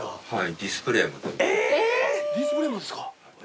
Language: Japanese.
ディスプレーもですか？